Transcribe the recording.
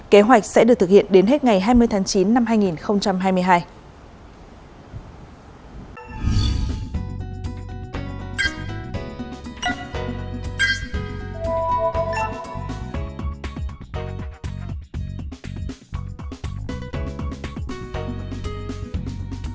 kế hoạch sẽ được thực hiện đến hết ngày hai mươi tháng chín năm hai nghìn hai mươi hai